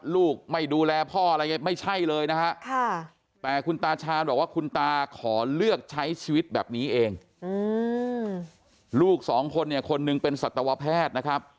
ลูก๒คนนึงเป็นศรัตนวแพทย์นะครับ